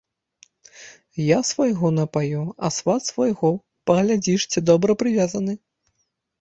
Я свайго напаю, а сват свайго паглядзіш, ці добра прывязаны.